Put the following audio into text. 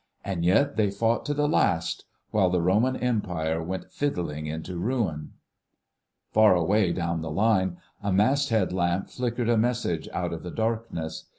And yet they fought to the last ... while the Roman Empire went fiddling into ruin." Far away down the line a mast head lamp flickered a message out of the darkness.